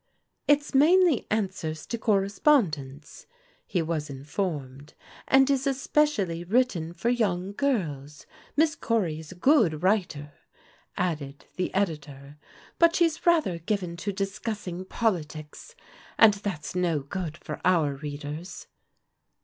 ''It's mainly answers to correspondence/' he was in formed, " and is especially written for young girls. Miss Cory is a good writer," added the editor, "but she's rather given to discussing politics, and that's no good for our readers."